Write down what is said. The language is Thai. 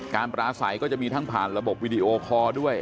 ปราศัยก็จะมีทั้งผ่านระบบวิดีโอคอร์ด้วย